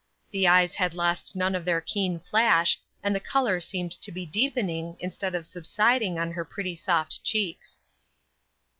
The eyes had lost none of their keen flash, and the color seemed to be deepening, instead of subsiding on her pretty soft cheeks.